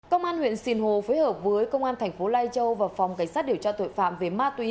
công an huyện sinh hồ phối hợp với công an thành phố lai châu và phòng cảnh sát điều tra tội phạm về ma túy